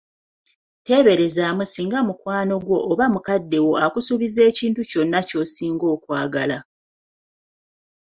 Teeberezaamu singa mukwano gwo oba mukadde wo akusuubizza ekintu kyonna kyosinga okwagala.